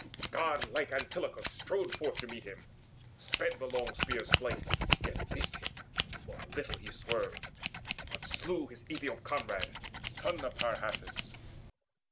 Godlike Antilochus Strode forth to meet him, sped the long spear's flight, Yet missed him, for a little he swerved, but slew His Aethiop comrade, son of Pyrrhasus.